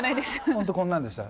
本当こんなんでした。